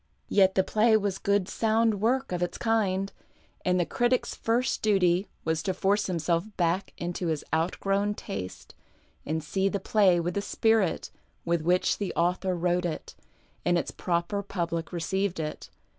Yet the play was good, sound work of its kind, and the critic's first duty was to force himself back into his outgrown taste and see the play with the spirit with which the author ^vrote it and its proper public received it.